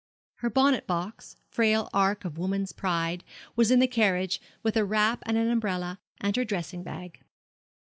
Her bonnet box frail ark of woman's pride was in the carriage, with a wrap and an umbrella, and her dressing bag.